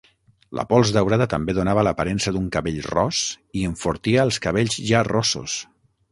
La pols daurada també donava l'aparença d'un cabell ros i enfortia els cabells ja rossos.